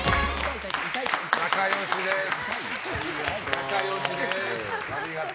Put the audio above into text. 仲良しです。